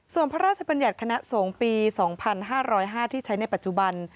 ส่วนพระราชบัญญัติคณะสงฆ์ปี๒๕๐๕ที่ใช้ในปัจจุบัน